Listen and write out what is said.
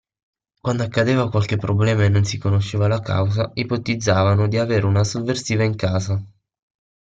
Quando accadeva qualche problema e non si conosceva la causa, ipotizzavano di avere una sovversiva in casa.